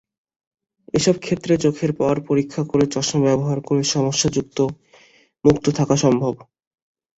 এসব ক্ষেত্রে চোখের পাওয়ার পরীক্ষা করে চশমা ব্যবহার করে সমস্যামুক্ত থাকা সম্ভব।